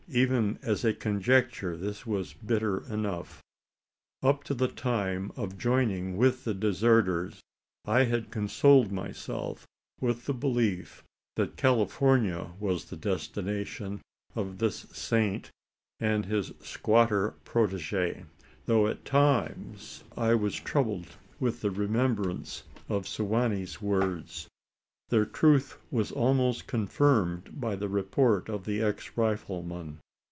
Even as a conjecture, this was bitter enough. Up to the time of joining with the deserters, I had consoled myself with the belief, that California was the destination of this saint and his squatter protege; though at times I was troubled with the remembrance of Su wa nee's words. Their truth was almost confirmed by the report of the ex rifleman.